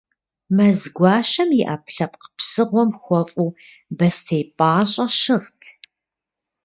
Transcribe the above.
Мэзгуащэм, и ӏэпкълъэпкъ псыгъуэм хуэфӏу бостей пӏащӏэ щыгът.